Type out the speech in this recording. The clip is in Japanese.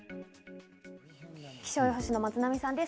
気象予報士・松並さんです。